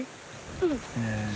うん。